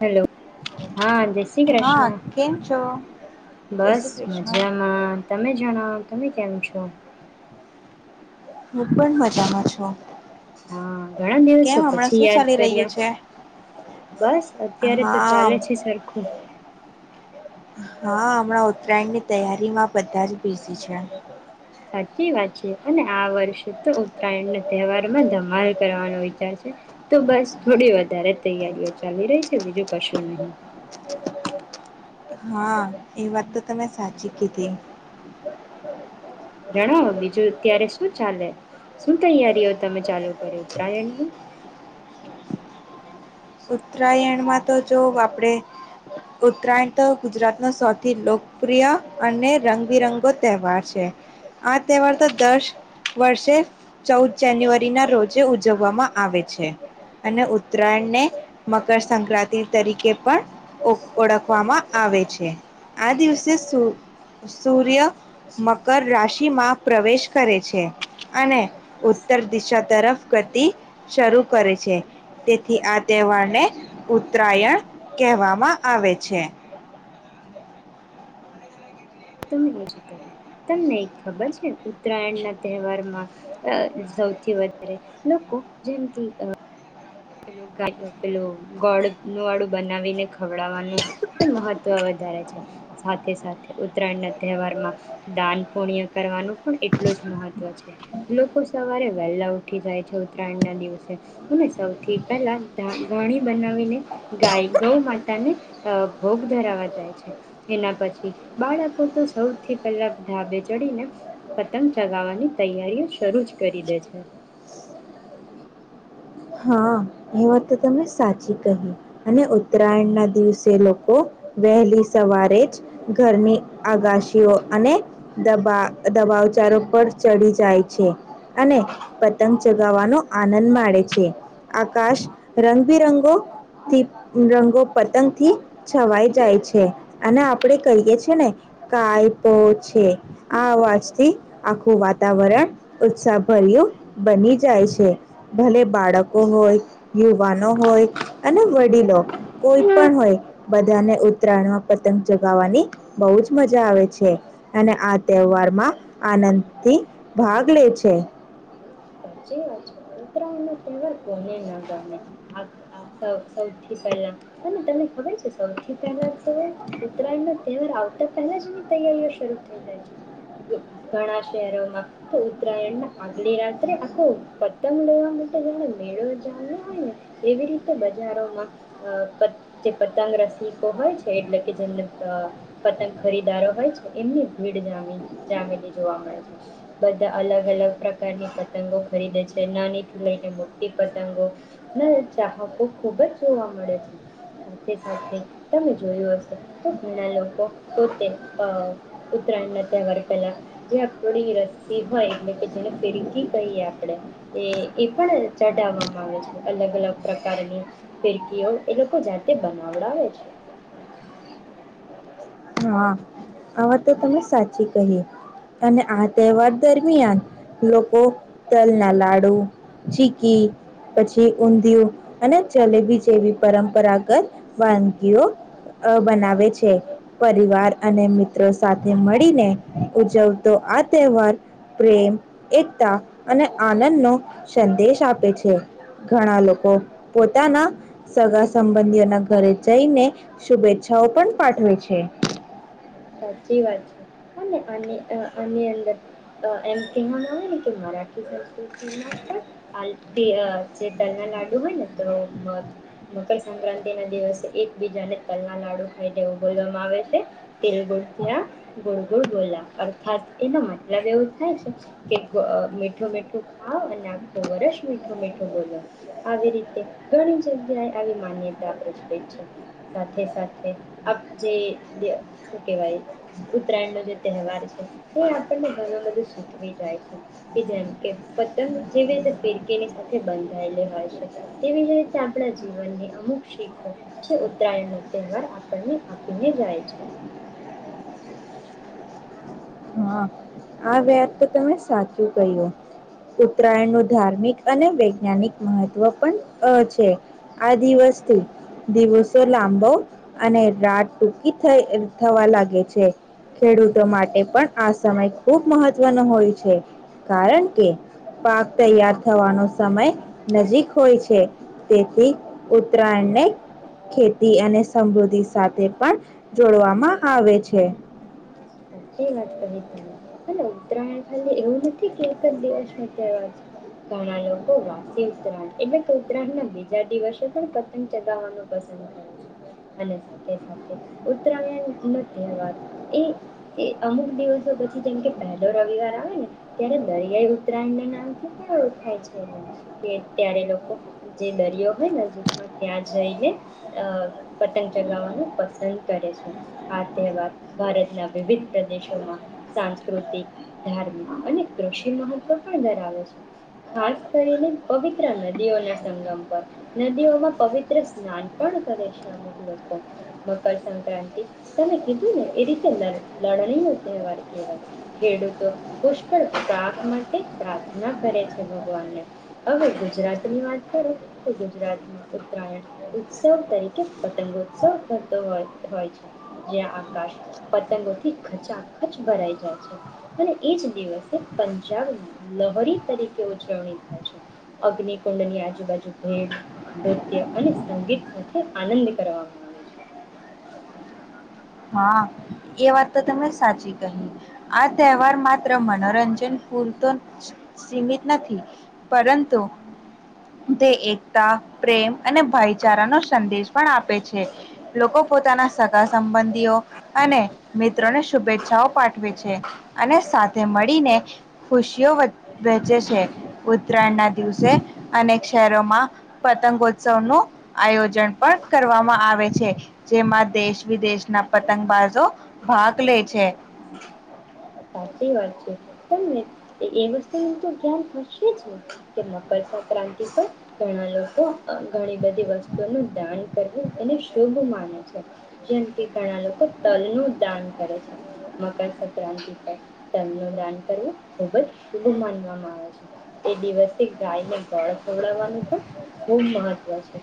Hello હા જય શ્રી હા કૃષ્ણ. કેમ છો જય બસ શ્રી કૃષ્ણ મજામાં તમે જણાવ તમે કેમ છો? હું પણ મજામાં છું. હા ઘણા કેમ દિવસો હમણાં પછી શું યાદ ચાલી રહ્યું કર્યા. છે બસ અત્યારે તો હા ચાલે છે સરખુ. હા હમણાં ઉત્તરાયણ ની તૈયારીમાં બધા જ બિજી છે. સાચી વાત છે. અને આ વર્ષે તો ઉત્તરાયણના તહેવારમાં ધમાલ કરવાનો વિચાર છે તો બસ થોડી વધારે તૈયારીઓ ચાલી રહી છે બીજું કશું નહી. હા એ વાત તો તમે સાચી કીધી. જણાવો બીજું અત્યારે શું ચાલે શું તૈયારીઓ તમે ચાલુ કરી ઉત્તરાયણની ઉત્તરાયણમાં તો જો આપણે ઉત્તરાયણ તો ગુજરાતનો સૌથી લોકપ્રિય અને રંગબિરંગો તહેવાર છે. આ તહેવાર તો દસ વર્ષે ચૌદ જાન્યુઆરી ના રોજે ઉજવવામાં આવે છે અને ઉત્તરાયણને મકરસક્રાંતિ તરીકે પણ ઓ ઓળખવામાં આવે છે. આ દિવસે સૂ સૂર્ય મકર રાશિમાં પ્રવેશ કરે છે. અને ઉત્તર દિશા તરફ ગતિ શરૂ કરે છે તેથી આ તહેવારને ઉત્તરાયણ કહેવામાં આવે છે. તમે એજ કર્યુ તમને ખબર છે ઉત્તરાયણ ના તહેવારમાં અ સૌથી વધારે લોકો જેમ કે અ પેુ પેલું ગોળનુ વાળુ બનાવીને ખવડાવવાનું પણ મહત્વ વધારે છે. સાથે સાથે ઉત્તરાયણ ના તહેવારમાં દાન પુણ્ય કરવાનું પણ એટલું જ મહત્વ છે લોકો સવારે વહેલા ઉઠી જાય છે ઉત્તરાયણ ના દિવસે અને સૌ થી પહેલા ધાણી ગોણી બનાવીને ગાય ગૌ માતા ને અ ભોગ ધરાવા જાય છે. એના પછી બાળકો તો સૌથી પહેલા ઢાબે ચડીને પતંગ ચગાવવાની તૈયારીઓ શરૂ જ કરી દે છે. હા એ વાત તો તને સાચી કહી, અને ઉત્તરાયણના દિવસે લોકો વહેલી સવારે જ ઘરની આગાશીઓ અને દબા દબાવચારો પર ચડી જાય છે અને પતંગ ચગાવવાનો આનંદ માડે છે. એ આકાશ રંગબિરંગો થી રંગો પતંગ થી છવાઈ જાય છે અને આપડે કહીએ છે ને કાયપોછે આ અવાજથી આખું વાતાવરણ ઉત્સાહભર્યું બની જાય છે. ભલે બાળકો હોય, યુવાનો હોય અને વડીલો કોઈ પણ હોય બધાને ઉત્તરાયણમાં પતંગ ચગાવવાની બહુ જ મજા આવે છે અને આ તહેવારમાં આનંદથી ભાગ લે છે. સાચી વાત છે. ઉત્તરાયણ નો તહેવાર કોને ના ગમે. અ આ સૌ સૌથી પહેલા અને તને ખબર છે સૌથી પહેલા તો ઉત્તરાયણ નો તહેવાર આવતા પહેલા જ એની તૈયારીઓ શરૂ થઈ જાય છે. ઘણા શહેરોમાં તો ઉત્તરાયણના આગલી રાત આખો પતંગ લેવા માટે જાણે મેળો જામ્યો હોય ને એવી રીતે બજારોમાં અ પતં જે પતંગ રસિકો હોય છે એટલે કે જેમને અ પતંગ ખરીદારો હોય છે એમની ભીડી જામી જામેલી જોવા મળે છે બધા અલગ- અલગ પ્રકારની પતંગો ખરીદે છે. નાનીથી લઈને મોટી પતંગો ના ચાહકો ખુબ જ જોવા મળે છે. સાથે-સાથે તમે જોયું હશે તો ઘણા લોકો પોતે અ ઉત્તરાયણ ના તહેવાર પહેલા જે આપડી રસી હોય એટલે કે જેને ફિર કી કહીએ આપણેે એ એ પણ ચઢાવવામાં આવે છે અલગ-અલગ પ્રકારની ફિરકીઓ એ લોકો જાતે બનાવડાવે છે. હા આવા તો તમે સાચી કહી અને આ તહેવાર દરમિયાન લોકો તલ ના લાડુ ચીકી પછી ઊંધિયું અને જલેબી જેવી પરંપરાગત વાનગીઓ અ બનાવે છે. પરિવાર અને મિત્રો સાથે મળીને ઉજવતો આ તહેવાર પ્રેમ એકતા અને આનંદનો સંદેશ આપે છે ઘણા લોકો પોતાના સગા સંબંધીઓના ઘરે જઈને શુભેચ્છાઓ પણ પાઠવે છે. સાચી વાત છે અને આ આની અંદર એમ કહેવાવામાં આવે ને કે [unintelligible] જ તો તેમાં પણ [unintelligible] જે તલના લાડુ હોય ને તો મકરસક્રાંતિ ના દિવસે એકબીજાને તલના લાડુ ખાઈનેે એવું બોલવામાં આવે છે. [unintelligible] ગુડગુડ બોલા અર્થાત એનો મતલબ એવું થાય છે કે મીઠું મીઠું ખાાવ અને આખું વર્ષ મીઠું મીઠું બોલો આવી રીતે ઘણી જગ્યાએ આવી માન્યતા પપ્રચલિત છે સાથે સાથે જે વા ઉત્તરાયણ ન જે તહેવાર છે એ આપણને ઘણું બધું શીખવી જાય છે કે જેમ કે પતંગ જેવી રીતે ફિરકીની સાથે બંધાયેલી હોય છે તેવી જ રીતે આપણા જીવનની અમુક શીખો જે ઉત્તરાયણ નો તહેવાર આપણને આપીને જાય છે. હા આ વાત તો તમે સાચું કહ્યું ઉત્તરાયણ ન ધાર્મિક અને વૈજ્ઞાનિક મહત્વ પણ છે આ દિવસથી દિવસો લાંબો અને રાત ટૂંકી થઈ થવા લાગે છે ખેડૂતો માટે પણ આ સમય ખૂબ મહત્વનો હોય છે કારણ કે પાક તૈયાર થવાનો સમય નજીક હોય છે તેથી ઉત્તરાયણને ખેતી અને સમૃદ્ધિ સાથે પણ જોડવામાં આવે છે. શું વાત કરી તમે ઉત્તરાયણ ખાલી એવું નથી કે એક જ દિવસ નો તહેવાર છે ઘણા લોકો વાસી ઉત્તરાયણ એટલે કે ઉત્તરાયણ ના બીજા દિવસે પણ પતંગ ચગાવવાનું પસંદ કરે છે અને સાથે સાથે ઉત્તરાયણ નો તહેવાર એ તે અમુક દિવસો પછી જેમ કે પહેલો રવિવાર આવે ને ત્યારે દરિયાઈ ઉત્તરાયણ ના નામથી પણ ઓળખાય છે એ કે ત્યારે લોકો જે દરિયો હોય નજીકમાં ત્યાં જઈને અ પતંગ ચગાવવાનું પસંદ કરે છે આ તહેવાર ભારતના વિવિધ પ્રદેશોમાં સાંસ્કૃતિક ધાર્મિક અને કૃષિ મહત્વ પણ ધરાવે છે ખાસ કરીને પવિત્ર નદીઓના સંગમ પર નદીઓમાં પવિત્ર સ્નાન પણ કરે છે અમુક લોકો મકરસક્રાંતિ તમે કીધું ને એ રીતે લડણી ન તહેવાર કેહેવાય ખેડૂતો પુષ્કળ પ્રાપ માટે પ્રાર્થના કરે છે ભગવાનને હવે ગુજરાત ની વાત કરું તો ગુજરાતમાં ઉત્તરાયણ ઉત્સવ તરીકે પતંગોત્સવ થતો હો હોય છે જ્યાં આકાશ પતંગોથી ખચાખચ ભરાઈ જાય છે અને એજ દિવસે પંજાબમાં લહરી તરીકે ઉજવણી થાય છે અગ્નિકુંડની આજુબાજુ ભેટ નૃત્ય અને સંગીત સાથે આનંદ કરવામાં આવે છે. હા એ વાત તો તને સાચી કહી આ તહેવાર માત્ર મનોરંજન પૂરતો સીમિત નથી પરંતુ તે એકતા પ્રેમ અને ભાઈચારાનો સંદેશ પણ આપે છે લોકો પોતાના સગા સંબંધ સબંધીઓ અને મિત્રોને શુભેચ્છાઓ પાઠવે છે અને સાથે મળીને ખુશીઓ વહેચે છે ઉત્તરાયણ ના દિવસે અનેક શહેરોમાં પતંગોત્સવ નું આયોજન પણ કરવામાં આવે છે જેમાં દેશ વિદેશના પતંગબાજો, ભાગ લે છે. સાચી વાત છે તને એ વસ્તુ ન તો ખ્યાલ રાશે જ ને કે મકરસક્રાંતિ પર ઘણા લોકો ઘણી બધી વસ્તુઓ નું દાન કરવું એને શુભ માને છે જેમ કે ઘણા લોકો તલ નું દાન કરે છે મકરસક્રાંતિ તેમ દાન કરવું ખૂબ જ શુભ માનવામાં આવે છે, એ દિવસે ગાયને ગોળ ખવડાવવાનું પણ ખૂબ મહત્વ છે,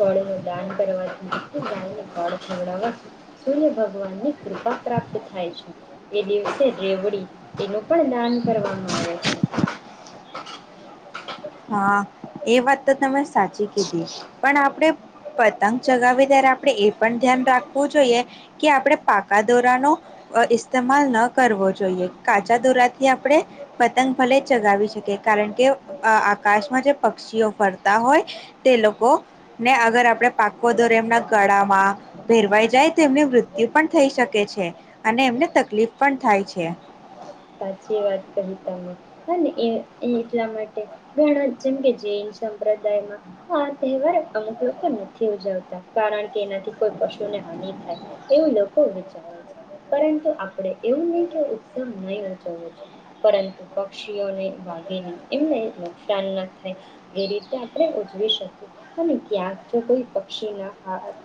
ગોળ ન દાન કરવાથી ગાયને ગોળ ખવડાવવાથી સૂર્ય ભગવાન ની કૃપા પ્રાપ્ત થાય છે, એ દિવસે રેવડી, એનું પણ દાન કરવામાં આવે છે. હા, એ વાત તો તમે સાચી કીધી, પણ આપણે પતંગ ચગાવી ત્યારે આપણે એ પણ ધ્યાન રાખવું જોઈએ, કે આપણે પાકા દોરાનોો ઇસ્તેમાલ ન કરવો જોઈએ કાચા દોરાથી આપણે, પતંગ ભલે ચગાવી શકીએ કારણ કે આકાશમાં જે પક્ષીઓ ફરતા હોય, તે લોકો ને અગર આપણે પાકો દોરે એમના ગળામાં ભેરવાઈ જાય તો એમની મૃત્યુ પણ થઈ શકે છે, અને એમને તકલીફ પણ થાય છે. સાચી વાત કહી તમે, અને એ એટલા માટે ઘણા જેમ કે જૈન સંપ્રદાયમાં, આ તહેવાર અમુક લોકો નથી ઉજવતા, કારણ કે એનાથી કોઈ પશુને હાનિ થાય એવું લોકો વિચારે છે, પરંતુ આપણે એવું નહીં કે ઉત્સવ નહીં પરંતુ પક્ષીઓને વાગીને એમને નુકસાન ના થાય, એ રીતે આપણે ઉજવી શકીએ, અને ક્યાંક જો કોઈ પક્ષીના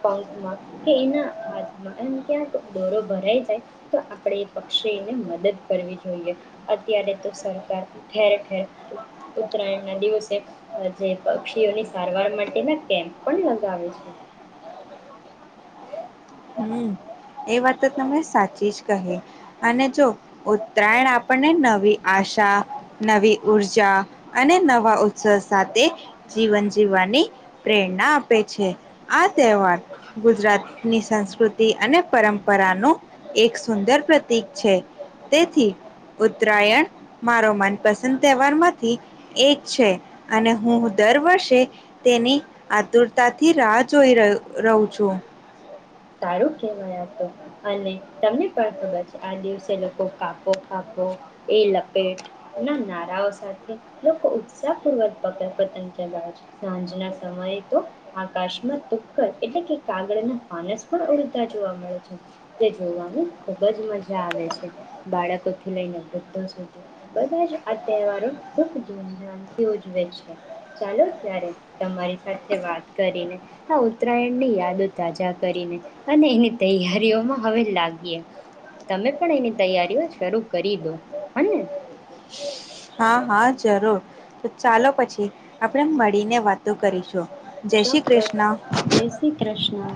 પંખમાં કે એના હાથમાં એમ ક્યાંક દોરો ભરાઈ જાય, તો આપણે એ પક્ષીને મદદ કરવી જોઈએ, અત્યારે તો સરકાર ઠેર ઠેર ઉત્તરાયણ ના દિવસે, જે પક્ષીઓની સારવાર માટેના કેમ્પ પણ લગાવે છે. હમ એ વાત તો તને સાચી જ કહે, અને જો ઉત્તરાયણ આપણને નવી આશા નવી ઉઊર્જા અને નવા ઉત્સાહ સાથે જીવન જીવવાની પ્રેરણા આપે છે, આ તહેવાર ગુજરાતની સંસ્કૃતિ અને પરંપરા [unintelligible] એક સુંદર [unintelligible] છે, તેથી ઉત્તરાયણ મારો મનપસંદ તહેવાર માંથી એક છે, અને હું દર વર્ષે તેની આતુરતાથી રાહ જોઈ રહ રહું છું. સારું કહેવાય હત અને તમને પણ ખબર છે, આ દિવસે લોકો કાકો કાકો એ લપેટ ના નારાઓ સાથે લોકો ઉત્સાહ પૂર્વક [unintelligible] પતંગ ગયા છે, સાંજના સમયે તો આકાશમાં તુક્ક એટલે કે કાગળના ડ જોવા મળે છે, તે જોવાની ખુબ જ મજા આવે છે, બાળકોથી લઈને વૃદ્ધો સુધી બધા જ આ તહેવારો ખૂબ ધૂમધામથી ઉજવે છે, ચાલો ત્યારે તમારી સાથે વાત કરીને, આ ઉત્તરાયણની યાદ તાજા કરીને, અને એની તૈયારીઓમાં હવે લાગીએ, તમે પણ એની તૈયારીઓ શરૂ કરી દો, હ ને. હા હા જરૂર, તો ચાલો પછી આપણે મળીને વાતો કરીશું. જય શ્રી ચોક્કસ, કૃષ્ણ જય શ્રી કૃષ્ણ.